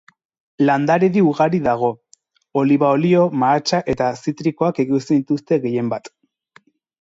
Landaredi ugari dago; oliba-olioa, mahatsa eta zitrikoak ekoizten dituzte gehienbat.